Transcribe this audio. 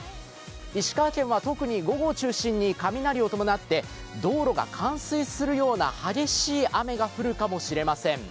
石川県は特に午後を中心に雷を伴って道路が冠水するような激しい雨が降るかもしれません。